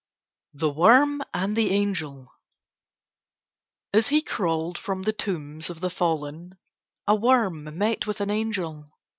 THE WORM AND THE ANGEL As he crawled from the tombs of the fallen a worm met with an angel.